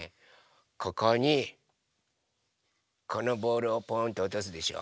ここにこのボールをポンとおとすでしょ？